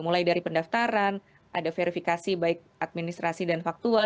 mulai dari pendaftaran ada verifikasi baik administrasi dan faktual